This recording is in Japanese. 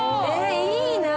いいなぁ。